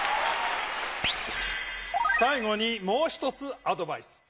さい後にもう１つアドバイス。